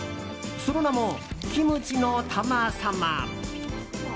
その名も、キムチの玉様。